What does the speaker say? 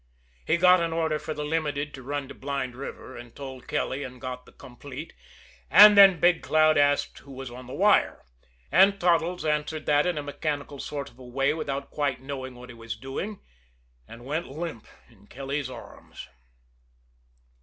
He got an order for the Limited to run to Blind River and told Kelly, and got the "complete" and then Big Cloud asked who was on the wire, and Toddles answered that in a mechanical sort of a way without quite knowing what he was doing and went limp in Kelly's arms.